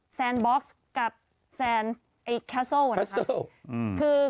แซนบ็อกซ์กับแซนแคสเซิล